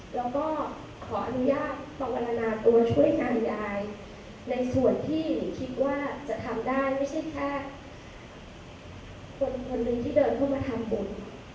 แล้วก็ขออนุญาตต้องการละนาตัวช่วยงานยายในส่วนที่หนูคิดว่าจะทำได้ไม่ใช่แค่คนที่เดินเข้ามาทำบุญ